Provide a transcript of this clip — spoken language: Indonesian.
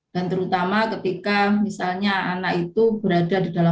dan terutama ketika misalnya anak itu berada